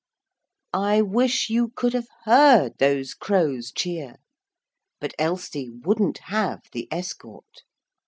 I wish you could have heard those crows cheer. But Elsie wouldn't have the escort.